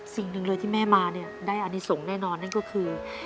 สิ่งหนึ่งเลยที่แม่มาเนี่ยได้อนิสงฆ์แน่นอนนั่นก็คือ